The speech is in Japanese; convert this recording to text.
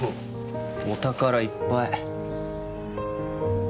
お宝いっぱい。